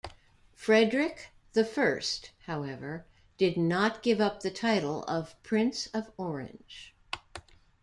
Frederick the First, however, did not give up the title of Prince of Orange.